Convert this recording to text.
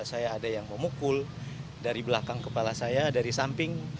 saya ada yang memukul dari belakang kepala saya dari samping